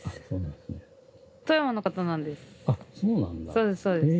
そうですそうです。